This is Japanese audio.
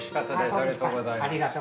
ありがとうございます。